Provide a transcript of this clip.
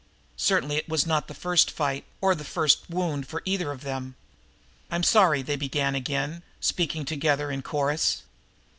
Certainly it was not the first fight or the first wound for either of them. "I'm sorry," they began again, speaking together in chorus.